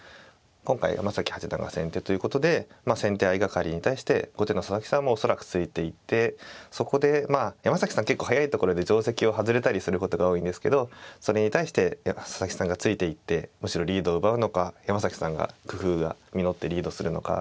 今回山崎八段が先手ということで先手相掛かりに対して後手の佐々木さんも恐らくついていってそこでまあ山崎さん結構早いところで定跡を外れたりすることが多いんですけどそれに対して佐々木さんがついていってむしろリードを奪うのか山崎さんが工夫が実ってリードするのか。